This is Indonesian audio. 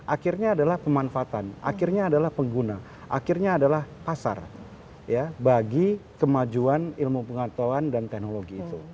akhirnya adalah pemanfaatan akhirnya adalah pengguna akhirnya adalah pasar bagi kemajuan ilmu pengetahuan dan teknologi itu